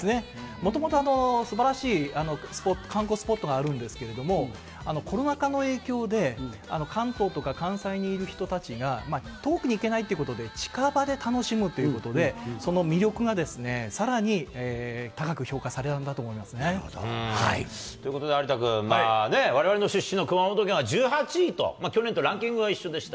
もともとすばらしい観光スポットがあるんですけど、コロナ禍の影響で、関東とか関西にいる人たちが、遠くに行けないということで、近場で楽しむということで、その魅力がさらに高く評価されたんだと思いますね。ということで有田君、われわれの出身の熊本県は１８位と去年とランキングは一緒でした。